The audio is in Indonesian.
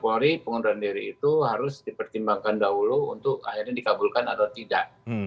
polri pengunduran diri itu harus dipertimbangkan dahulu untuk akhirnya dikabulkan atau tidak